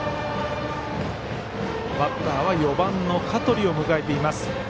バッターは４番の香取を迎えています。